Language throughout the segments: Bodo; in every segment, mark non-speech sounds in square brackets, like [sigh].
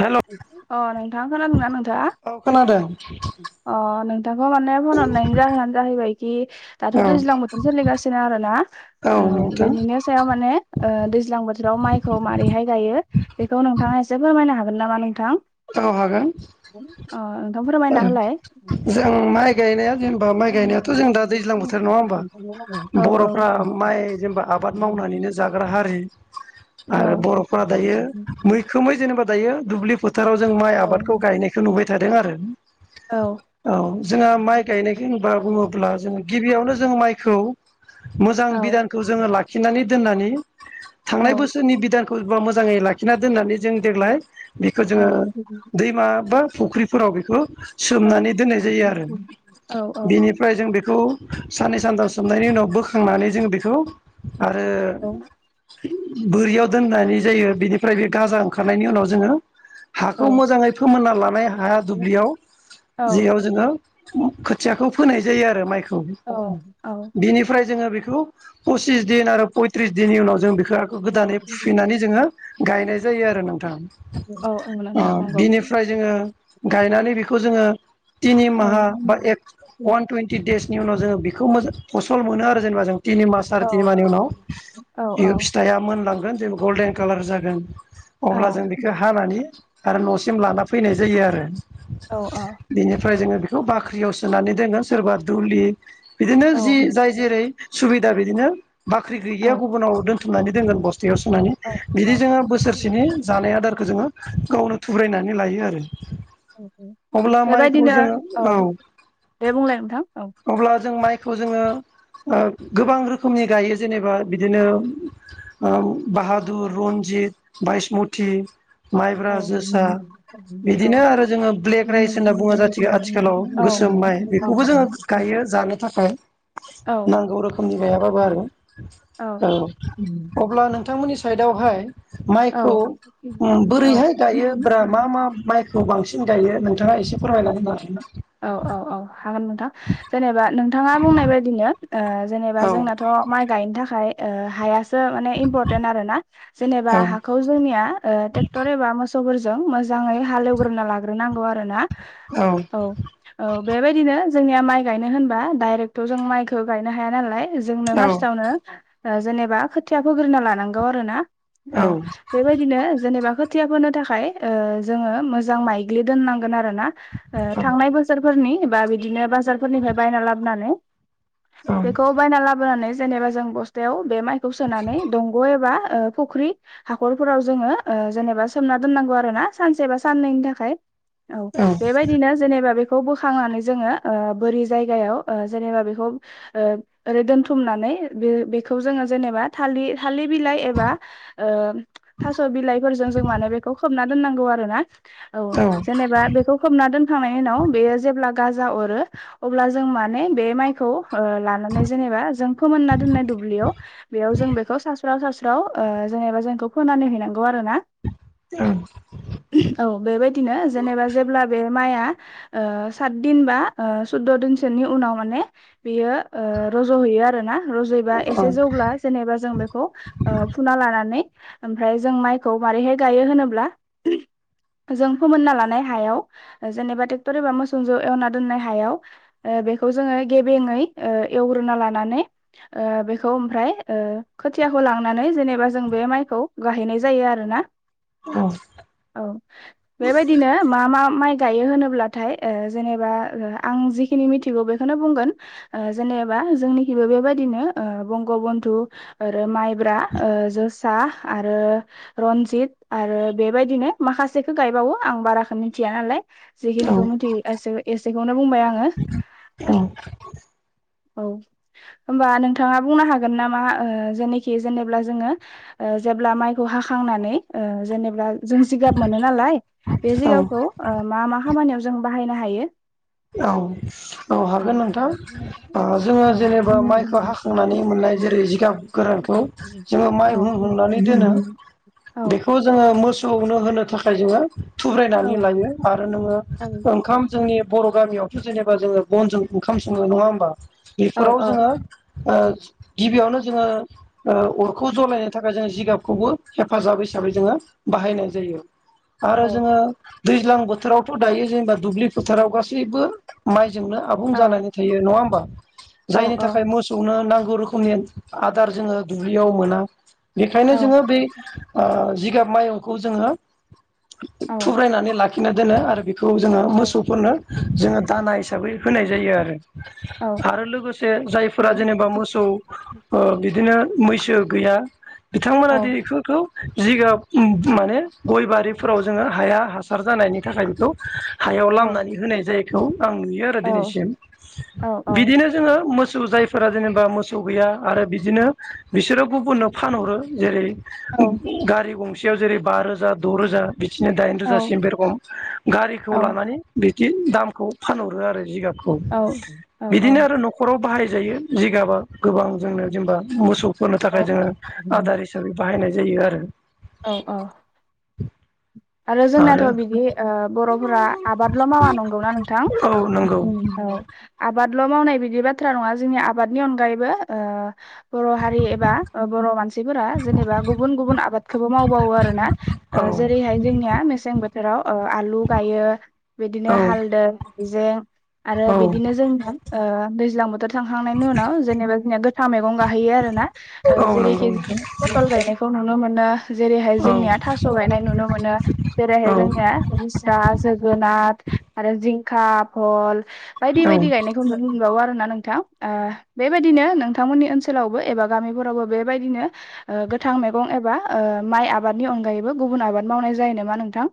हेल' अ नोंथांङा खोनादों ना? नोंथां औ खोनादों अ नों दाखौ माने फन हरनायनायनि जाहोनानो जाहैबायखि [unintelligible] दाथ' औ दैज्लां बोथोर सोलिगासिनो आरोना औ बेनिनि सायाव माने दैज्लां बोथोर बोथोराव माइखौ माबैहाय गायो बेखौ नोंथाङा एसे फोरमायनो हागोन नामा नोंथां? औ हागोन। अ नोंथां ओ फोरमायना होलाय। जों माइ गायनाया जेनेबा माइ गायनायाथ' जों दा दैज्लां बोथोराव। नङा होमबा औ औ बर'फ्रा माइ जेनेबा आबाद मावनानैनो जाग्रा हारि। आरो बर'फोरा दायो मैखोमै जेनेबा- दायो दुब्लि फोथाराव जों माइ औ आबादखौ गायनायखौ नुबाय थादों आरो। औ औ जोंहा माइ गायनायखौ होनबा बुङोब्ला जो गिबियावनो जों माइ मोजां बिधानखौ जोङो लाखिनानै दोननानै औ थांनाय बोसोरनि बिधानखौ [unintelligible] मोजाङै लाखिना दोननानै जों देग्लाय बेखौ औ जोङो औ दैमा बा फुख्रिफोराव बेखौ औ सोमनानै दोननाय जायो आरो औ औ बेनिफ्राय जों बे। बेखौ साननै सानथाम सोमनायनि उनाव बोखांनानै जों बेखौ। आरो औ बोरियाव दोननानै जायो बिनिफ्राय बे गाजा ओंखारनायनि उनाव जोङो। औ हाखौ मोजाङै फोमोनना लानाय हाया दुब्लियाव औ जेयाव जोङो। खोथियाखौ फोनाय जायो आरो माइखौ औ औ बिनिफ्राय जोङो बे। बेखौ पसिस दिन आरो पयथ्रिस दिननि उनाव जों बेखौ गोदानै फुफिनानै जोङो। गायनाय जायो आरो नोंथां औ नोंथां नंगौ बिनिफ्राय जोङो गायनानै बेखौ जोङो थिनि औ माहा बा एक अवान टुइन्टि देस। बिनि उनाव जोङो बेखौ फसल मोनो आरो जेनेबा जों। तिनि मास औ साराय तिनिमानि उनाव औ बेयो फिथाइआ मोनलांगोन बे गल्डेन कालार जागोन। औ अब्ला जों बेखौ हानानै आरो न'सिम लाना फैनाय जायो आरो औ औ ओमफ्राय जोङो बेखौ बाख्रियाव सोनानै दोङो सोरबा दुलि बिदिनो औ जि जाय जेरै- सुबिदा बिदिनो बाख्रि गैयैया गुबुनाव दोन्थुमनानै दोनगोन बस्थ फथयाव सोनानै औ बिदि जोङो बोसोरसेनि जानाय आदारखौ जोङो गावनो थुब्रायनानै लायो आरो [unintelligible] अब्ला माइखौ जोङो औ दे बुंलाय नोंथां औ। बेखौ जोङो। ओ गोबां रोखोमनि गायो जेनेबा बिदिनो बाहादुर रनजि जित बायसमथि माइब्रा, औ जोसा औ बिदिनो आरो जोङो ब्लेक राइस होनना बुङो जाथि आथिखालाव गोसो सोम माइ बेखौबो जोङो गायो जानो थाखाय। नांगौ रोखोमनि गायाबाबो आरो औ अब्ला नोंथांमोननि साइदावहाय औ माइखौ अम औ बोरैहाय गायो ब्रा मा औ -मा माइखौ बांसिन गायो नोंथाङा एसे फोरमायना होनो हागोन ना? औ -औ -औ हागोन नोंथां जेनेबा नोंथाङा बुंनाय बायदिनो ओ जेनेबा औ जोंनाथ' माइ गायनो थाखाय हाया फोरो माने इमफरटेन आरो ना जेनेबा औ हाखौ जोंनिया ट्रेक्टर एबा मोसौ फोरजों मोजाङै हालेवग्रोना लाग्रोनांगौ आरो ना। औ औ- औ बेबायदिनो जोंनिया माइ गायनो होनबा डाइरेक्टथ' जों माइखौ गायनो हाया नालाय जोंनो औ फार्स्टावनो जेनेबा खोथिया फोग्रोना लानांगौ आरो ना। औ बेबायदिनो जेनेबा खोथिया फोनो थाखाय ऐ जोङो मोजां माइग्लि दोननांगोन आरो ना। ओ थांनाय बोसोरफोरनि बा बिदिनो बाजार फोरनिफ्राय बायना लाबोनानै औ बेखौ बायना लाबोनानै जेनेबा जों बस्थायाव बे माइखौ सोनानै दंग' एबा ओ फुख्रि हाखरफोराव जोङो ओ जेनेबा सोमना दोननांगौ आरो ना सानसेबा साननैनि थाखाय। औ बेबायदि जेनेबा बेखौ बोखांनानै जोङो ओ बोरि जायगायाव ओ जेनेबा बेखौ ओ ओरै दोनथुमनानै बे बेखौ जोङो जेनेबा थालिर थालिर बिलाइ एबा ओ थास' बिलाइ फोरजों जों माने बेखौ खोबना दोननांगौ आरो ना औ जेनेबा बेखौ होखांनायनि उनाव बेयो जेब्ला गाजा अरो अब्ला जों माने बे माइखौ ओ लानानै जेनेबा जों फोमोनना दोननाय दुब्लियाव बेयाव जों बेखौ सा स्राव -साास्राव जेनेबा जों बेखौ फोननानै हैनांगौ आरो ना। औ औ बेबायदिनो जेनेबा जेब्ला बे माइआ साथदिन बा सुददो दिनसोनि उनाव माने बियो ओ रज'हैयो आरो ना रज'बा एसे जौब्ला जेनेबा जों बेखौ फुना लानानै ओमफ्राय जों माइखौ मारैहाय गायो होनोब्ला जों फोमोनना लानाय हायाव जेनेबा ट्रेक्टर एबा मोसौ जों एवना दोननाय हायाव ओ बेखौ जोङो गेबेङै एवग्रोनना लानानै ओ बेखौ ओमफ्राय ओ खोथियाखौ लांनानै जेनेबा जों बे माइ खौ गायहैनाय जायो आरोना औ बेबायदिनो मा मा माइ गायो होनोबाथाय जेनेबा आं जेखिनि मिनथिगौ बेखौनो बुंगोन ओ जेने बा जोंनिखिबो बेबायदिनो बंग बन्धु आरो माइब्रा ओ जोसा आरो रन्जित आरो बेबायदिनो माखासेखौ गायबावो आं बारखौ मिथिया नालाय। जेखिनिखौ मिथियो एसे- एसेखौनो बुंबाय आङो। औ औ होमबा नोंथाङा बुंनो हागोन नामा जेनाखि जेनेब्ला जोङो जेब्ला माइखौ हाखांनानै जेनेबा बा जों जिगाब मोनो नालाय बे औ औ जिगाबखौ ओ मा मा खामानियाव जों बाहायनो हायो? [inaudible] औ -औ हागोन नोंथां ओ जोङो औ जेनेबा माइखौ हाखांनानै मोननाय जेरै जिगाब गोरानखौ जोङो माइ हुं हुंनानै दोनो। बेखौ जोङो मोसौवनो होनो थाखाय जोङो थुब्रायनानै लायो आरो नोङो ओंखाम जोंनि बर' गामियावथ' जेनेबा जोङो बनजों ओंखाम सङो नङा होमबा औ बेफोराव जोङो ओ गिबियावनो जोङो अरखौ जलायनो थाखाय जोङो जिगाबखौबो हेफाजाब हिसाबै जोङो बाहायनाय जायो। आरो जोङो दैज्लां बोथोरावथ' दायो जेनेबा दुब्लि फोथाराव गासैबो माइ जोंनो आबुं औ जानानै थायो नंङा होनबा? औ जायनि थाखाय मोसौनो नांगौ रोखोमनि आदार जोङो दुब्लियाव मोना बेनिखायनो औ जोङो बै जिगाब माइहुंखौ जोङो थुब्रायनानै लाखिना दोनो आरो बेखौ जोङो मोसौ फोरनो जोङो दाना हिसाबै होनाय जायो आरो। औ आरो लोगोसे जायफोरा जेनेबा मोसौ ओ बिदिनो मैसो गैया बिथांमोना दिनै थु-थु जिगाब माने गय बारिफोराव जोङो हाया हासार जानायनि थाखाय बेखौ हायाव लामना जायखौ आं नुयो आरो औ दिनैसिम बिदिनो जोङो मोसौ जाय फोरा जेनेबा मोसौ गैया आरो बिदिनो बिसोरो गुबुननो फानहरो जेरै औ गारि गंसेयाव जेरै- बा रोजा द' रोजा। बिदिनो दाइन औ रोजा' सिम बे रखम गारिखौ औ लानानै बिदि दामखौ फानहरो आरो जिगाब खौ। औ औ बिदिनो आरो न'खराव बाहायजायो जिगाबा गोबां जोंनो जेनेबा मोसौ होननो औ थाखाय जोङो आदार हिसाबै बाहायनाय जायो आरो। औ औ। आरो जोंनाथ' बिदि ओ बर'फोरा आबादल' मावा नंगौना नोंथां औ नंगौ ओम औ आ आबादल' मावनाय बिदि बाथ्रा नङा जोंनि आबादनि अनगायैबो ओ बर' हारि एबा बर' मानफोरा जेनबा गुबुन गुब खौबो मावबावो आरोना औ जेरै'हाय जोंनिया मेसें बोथोराव ओ आलु गायो बिदिनो हालदै हायजें आरो औ बिदिनो जों ओ थांहांनायनि उनाव जेनेबा जोंनिया गोथां मैं गाहैयो आरो ना औ नंगौ जेरै'खि नोंथां पतल गायनायखौ नुनो मोनो जेरैहाय जोंनिया थास' गायनाय नुनो मोनो जेरैहाय औ जोंनिया रिसा जोगोनाथ आरो जिंखा बहल बायदि औ बायदि गायनायखौ नुनो मोनबावो आरो ना नोंथां ओ बेबायदिनो नोंथांमोननि ओनसोलावबो एबा गामिफोरावबो बेबायदिनो ओ गोथां थां मैगं एबा माइ ओ आबादनि अनगायैबो गुबुन आबाद मावनाय जायो नामा नोंथां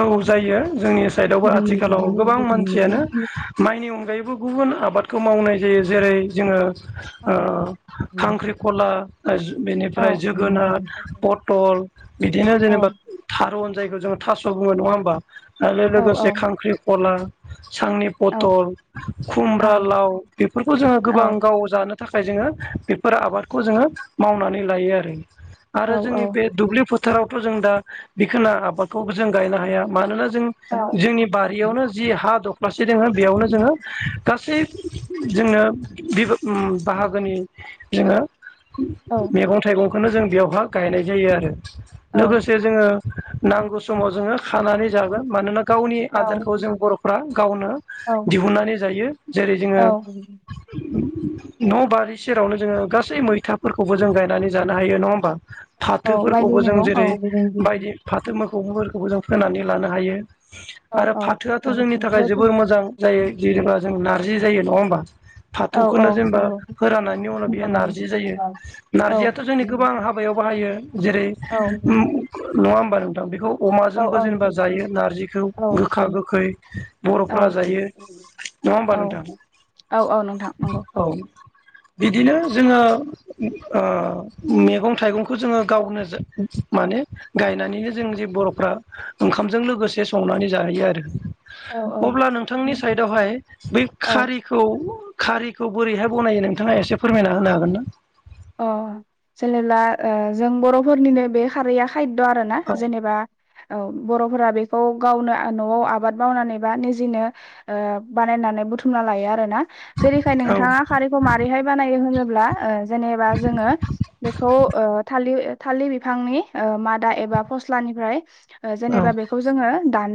औ जायो जोंनि साइदावबो आथिखालाव गोबां मानसियानो माइनि अनगायैबो गुबुन गुब गुबुन आबाद'खौ मावनाय जायो जेरै जोङो ओ औ खांख्रिखला औ बेनिफ्राय जोगोनार पटल बिदिनो औ जेनेबा थारुन जायखौ जोङो थास' बुङो नङा होमबा आरो औ लोगोसे खांख्रि खला [inaudible] थाखाय औ औ जोङो बेफोर आबादखौ जोङो मावनानै लायो आरो औ आरो जोंनि बे दुब्लि फोथारावथ' जों दा बिखिना आबाद खौबो जों गायनो हाया मानोना जों औ जोंनि बारियावनो जि हा दं जेदेमहा बेयावनो जोङो गासै जोङो [unintelligible] ओम बाहागोनि जोङो [inaudible] नांगौ समाव जोङो खानानै जागोन मानोना गावनि औ आदारखौ जों बर'फ्रा गावनो औ दिहुननानै जायो जेरै जोङो औ [inaudible] न' बारि सेरावनो जोङो गासै मैथाफोरखौबो जों गायनानै जानो हायो नङा होमबा औ बायदि फाथोफोरखौबो जों मैगं औ जेरै बायदि फाथो मा फोरखौबो जों फोनानै लानो हायो औ आरो फाथोआथ' औ जोंनि थाखाय नंगौ जोबोर मोजां जायै जे जोंहा जों नारजि जायो नङा होमबा औ औ फाथौखौनो जेनेबा औ फोरनि उनाव बेयो नारजि जायो नारजियाथ' जोंनि गोबां हाबाय याव बाहायो जेरै' ओम नं औ अमाजोंबो जेनोबा जायो नार्जिखौ गोखा गोखै बर'फ्रा जायो नङा होमबा औ नोंथां औ औ नोंथां नंगौ औ बिदिनो जोङो ओ मेगं थाइगंखौ जोङो गावनो जा माने गायनानैनो जों जे बरफ्रा ओंखामजों लोगोसे संनानै जाहैयो आरो औ अब्ला नोंथांनि साइदावहाय बै औ खारिखौ खारिखौ बोरैहाय बनायो नोंथाङा एसे फोरमायना होनो हागोन ना अ जेनेबा ओ जों बरफोरनिनो बे खारैया खाय्द आरो ना औ जेनेबा औ बरफोरा बेखौ गावनो नआव आबाद मावनानै बा निजिनो ओ बानायनानै बुथुमना लायो आरो ना जेरैखाय औ नोंथाङा खारैखौ मारैहाय बानायो होनोब्ला ओ जेनेबा जोङो बेखौ ओ था लिर थालिर बिफांनि ओ मादा एबा फसलानिफ्राय ओ औ जेनेबा बेखो जोङो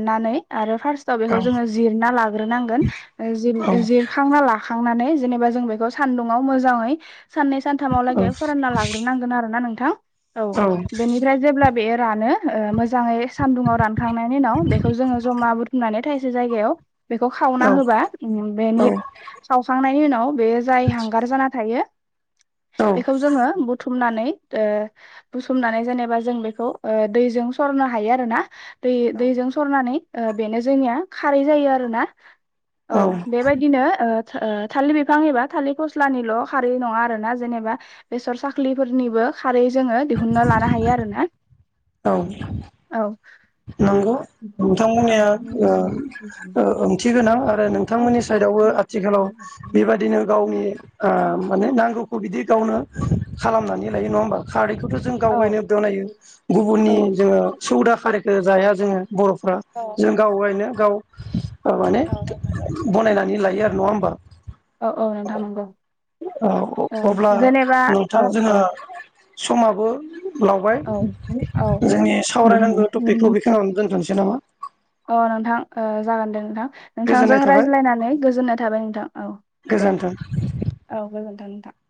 नानै आरो फार्स्टआव बेखौ जोङो जिरना लाग्रोनांगोन ओ औ जिर जिरखांना लाखां नानै जेनेबा जों बेखौ सानदुङाव मोजाङै साननै सानथामावलागै फोरानना लाग्रोनांगोन आरो ना नोंथां औ बेनिफ्राय जेब्ला बेयो रानो ओ मोजाङै सान्दुङाव रानखांनायनि उनाव बेखौ जोङो जमा बुथुमनानै थाय- से जायगायाव बेखौ खखवना औ होबा बेनि खावखांनायनि उनाव बेयो जाय हांगार जाना थायो औ बेखौ जोङो बुथु- मनानै ओ बुथुमनानै जेनेबा जों बेखौ दैजों सरनो हायो आरो ना दै दैजों सरनानै ओ बेनो जोंनिया खारै जायो आरो ना औ बेबायदिनो ओ ओ थालिर बिफां एबा थालिर फस्लानिल खारै नङा आरोना जेनेबा बेसर साख्लिफोरनिबो खारै जोङो दिहुनना लानो हायो आरोना औ औ नंगौ औ नोंथांमोननिया ओ ओंथि गोनां आरो नोंथांमोननि साइडआवबो आथिखालाव बेबायदिनो गावनि ओ माने नांगौखौ बिदि गावनो खालामनानै लायो नङा होमबा खारैखौ थ जों औ गावगायनो दनायो गुबुननि जोङो सौदा खारैखौ जाया जोङो बरफ्रा औ जों गावायनो गाव माने औ बनायनानै लायो आरो नङा औ औ नोंथां नंगौ औ जेनेबा औ औ होमबा [inaudible] समाबो लावबाय औ औ जोंनि सावरायनांगौ ट- पिकखौ बेखिनियावनो दोनथनोसै नामा अ नोंथां ओ जागोन दे नोंथां नोंथांजों गोजोननाय थाबाय रायज्लायनानै गोजोननाय थाबाय नोंथां औ दे गोजोन्थों औ गोजोनथों थां